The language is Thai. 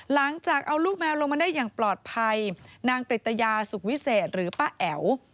หลังจากเอาลูกแมวลงมาได้อย่างปลอดภัยนางกริตยาสุขวิเศษหรือป้าแอ๋ว